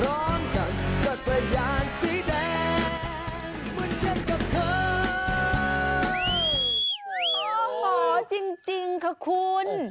โอ้โหจริงค่ะคุณ